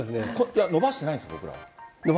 伸ばしてないんです。